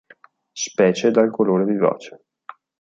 Specie dal colore vivace.